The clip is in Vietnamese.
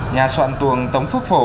nhà soạn tuồng tống phước phổ